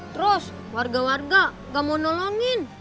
terus warga warga nggak mau nolongin